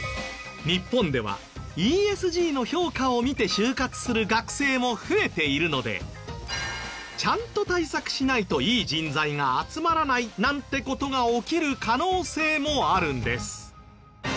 日本ではＥＳＧの評価を見て就活する学生も増えているのでちゃんと対策しないといい人材が集まらないなんて事が起きる可能性もあるんです。